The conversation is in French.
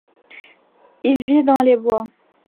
Il vit dans les bois.